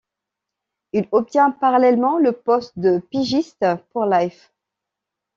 Il obtient parallèlement le poste de pigiste pour Life.